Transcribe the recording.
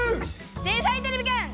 「天才てれびくん」